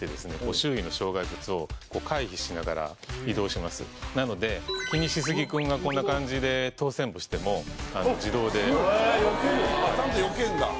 周囲の障害物を回避しながら移動しますなのでキニシスギくんがこんな感じで通せんぼしても自動でちゃんとよけんだ？